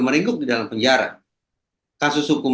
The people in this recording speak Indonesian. meringkuk di dalam penjara kasus hukum